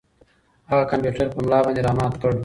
هغه کمپیوټر په ملا باندې را مات کړ.